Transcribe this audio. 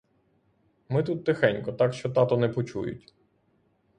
Ми тут тихенько, так що тато не почують.